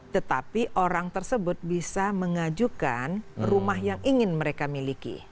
tetapi orang tersebut bisa mengajukan rumah yang ingin mereka miliki